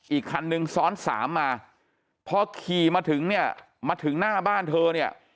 อีกคันนึงซ้อนสามมาพอขี่มาถึงเนี่ยมาถึงหน้าบ้านเธอเนี่ย